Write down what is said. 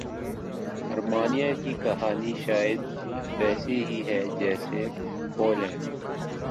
Armenia کی کہانی شاید ویسےہی ہے جیسے پولینڈ کی